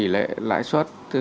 tỷ lệ lãi xuất rất là cao